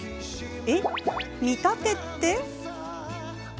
え、見立てって？